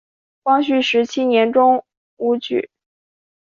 光绪十七年中武举。